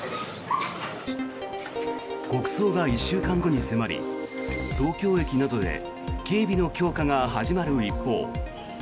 国葬が１週間後に迫り東京駅などで警備の強化が始まる一方。